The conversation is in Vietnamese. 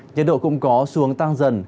nhiệt độ cũng có xuống tăng dần